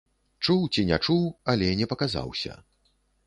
Чуў ці не чуў, але не паказаўся.